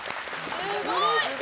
すごい。